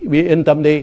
bị yên tâm đi